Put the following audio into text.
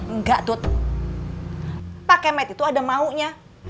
enggak tut pak kemet itu ada maunya